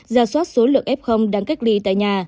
gia soát số lượng f đáng cách ly tại nhà